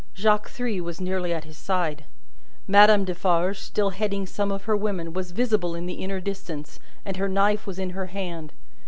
Jacques Three was nearly at his side; Madame Defarge, still heading some of her women, was visible in the inner distance, and her knife was in her hand.